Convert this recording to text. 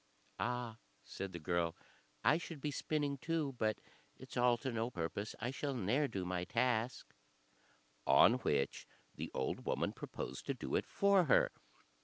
"Ah!" said the girl, "I should be spinning too, but it's all to no purpose. I shall ne'er do my task:" on which the old woman proposed to do it for her.